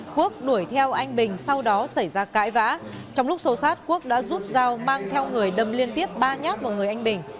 quốc đuổi theo anh bình sau đó xảy ra cãi vã trong lúc sổ sát quốc đã giúp giao mang theo người đâm liên tiếp ba nhát một người anh bình